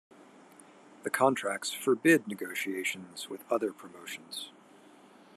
The contracts forbid negotiations with other promotions.